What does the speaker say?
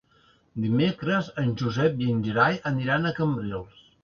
Dimecres en Josep i en Gerai aniran a Cambrils.